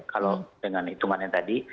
kalau dengan hitungan yang tadi